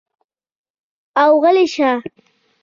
او غلے شۀ ـ